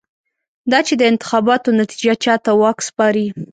دا چې د انتخاباتو نتېجه چا ته واک سپاري.